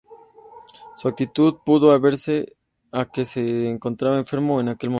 Su actitud pudo deberse a que se encontraba enfermo en aquel momento.